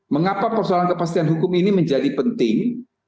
mengapa persoalan kepastian hukum ini menjadi penting